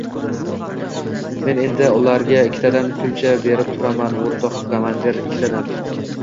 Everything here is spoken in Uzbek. Men endi ularga ikkitadan kulcha berib turaman, o‘rtoq komandir, ikkitadan!